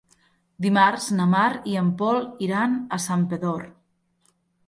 Dimarts na Mar i en Pol iran a Santpedor.